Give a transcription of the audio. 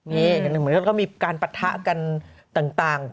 นี่เหมือนกับก็มีการปะทะกันต่าง